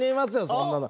そんなの。